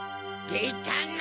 でたな